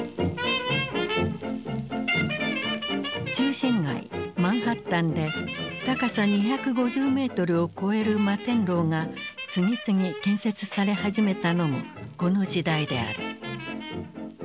中心街マンハッタンで高さ２５０メートルを超える摩天楼が次々建設され始めたのもこの時代である。